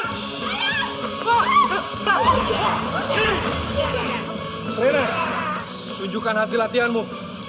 menunjukkan hasil latihanmu